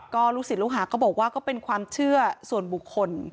ก็ลูกศิษย์ลูกหาก็บอกว่าก็เป็นความเชื่อส่วนบุคคล